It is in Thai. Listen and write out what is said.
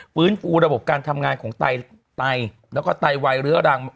ฟื้นฟูระบบการทำงานของไตแล้วก็ไตวายเรื้อรัง